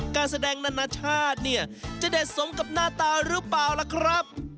การแสดงนานาชาติเนี่ยจะเด็ดสมกับหน้าตาหรือเปล่าล่ะครับ